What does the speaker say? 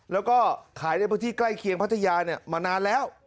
แล้วก็ขายในพื้นที่ใกล้เคียงพัทยามานานแล้ว